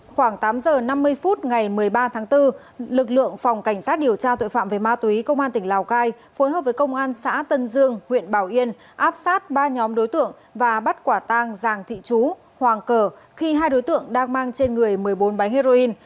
khoảng tám giờ năm mươi phút ngày một mươi ba tháng bốn lực lượng phòng cảnh sát điều tra tội phạm về ma túy công an tỉnh lào cai phối hợp với công an xã tân dương huyện bảo yên áp sát ba nhóm đối tượng và bắt quả tang giàng thị chú hoàng cờ khi hai đối tượng đang mang trên người một mươi bốn bánh heroin